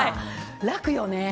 楽よね。